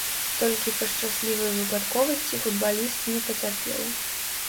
Толькі па шчаслівай выпадковасці футбаліст не пацярпеў.